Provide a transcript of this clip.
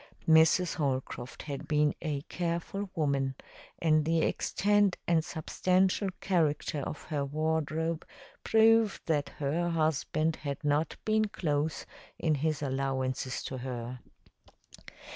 Mrs. Holcroft had been a careful woman, and the extent and substantial character of her wardrobe proved that her husband had not been close in his allowances to her.